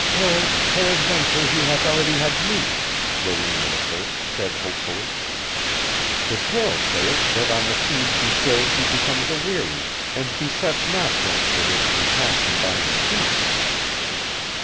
"Per ... peradventure he hath already had meat," Rowena I said hopefully. "The tale saith that an the fiend be filled he becomes aweary and besets not them the which do pass him by in peace."